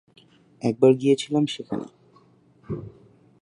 একবার গিয়েছিলাম সেখানে!